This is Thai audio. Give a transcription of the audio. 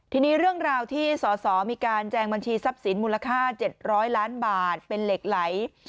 ทีนี้เรื่องราวที่สสมีการแจงบัญชีทรัพย์สินมูลค่า๗๐๐ล้านบาทเป็นเหล็กไหล